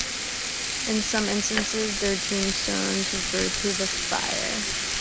In some instances, their tombstones refer to the fire.